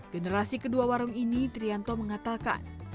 generasi kedua warung ini trianto mengatakan